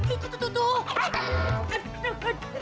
itu tuh tuh